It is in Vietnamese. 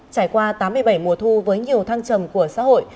trải qua tám mươi bảy mùa thu với nhiều thăng trầm của xã hội